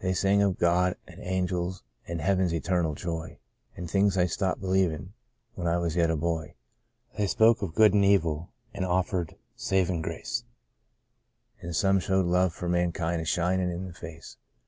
They sang of God an' angels, an' heav'n's eternal joy, An' things I stopped believin', when I was yet a boy; They spoke of good an' evil an' offered savin' grace — An' some showed love for mankind a shinin' in the face.